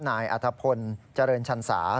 นายอัธพลเจริญชันสา